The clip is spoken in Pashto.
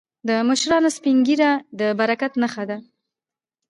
د مشرانو سپینه ږیره د برکت نښه ده.